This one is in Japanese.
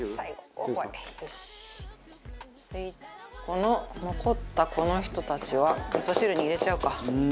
この残ったこの人たちは味噌汁に入れちゃうか。